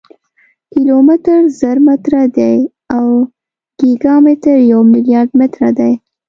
کیلومتر زر متره دی او ګیګا متر یو ملیارډ متره دی.